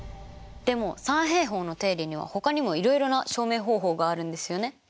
でも三平方の定理にはほかにもいろいろな証明方法があるんですよねマスター。